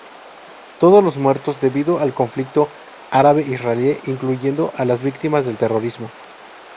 Todos los muertos debido al conflicto árabe-israelí, incluyendo a las víctimas del terrorismo.